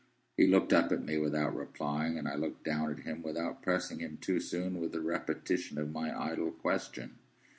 He looked up at me without replying, and I looked down at him without pressing him too soon with a repetition of my idle question.